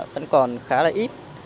vẫn còn khá là ít